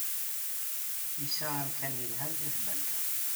Yesɛa amkan yelhan deg tbanka.